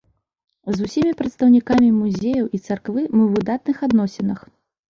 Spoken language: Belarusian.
З усімі прадстаўнікамі музеяў і царквы мы ў выдатных адносінах.